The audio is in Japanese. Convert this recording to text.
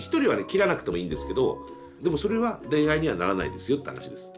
切らなくてもいいんですけどでもそれは恋愛にはならないですよって話です。